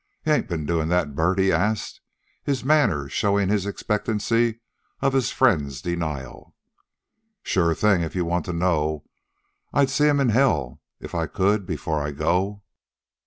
"You ain't ben doin' that, Bert?" he asked, his manner showing his expectancy of his friend's denial. "Sure thing, if you want to know. I'd see'm all in hell if I could, before I go."